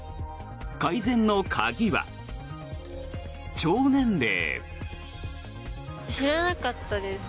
改善の鍵は、腸年齢。